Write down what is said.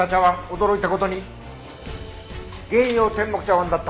驚いた事に幻曜天目茶碗だったんだ。